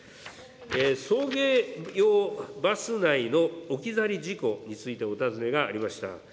送迎用バス内の置き去り事故についてお尋ねがありました。